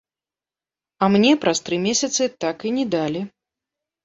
А мне праз тры месяцы так і не далі.